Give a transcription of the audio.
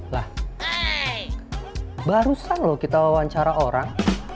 lah barusan loh kita wawancara orang